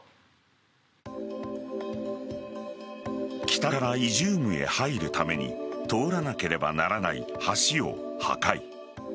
北からイジュームへ入るために通らなければならない橋を破壊。